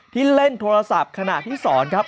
เล่นโทรศัพท์ขณะที่สอนครับ